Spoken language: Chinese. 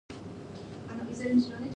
叫爸爸